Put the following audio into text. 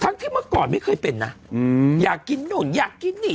ที่เมื่อก่อนไม่เคยเป็นนะอยากกินนู่นอยากกินนี่